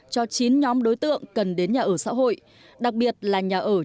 cho chín nhóm đối tượng cần đến nhà ở xã hội đặc biệt là nhà ở cho công nhân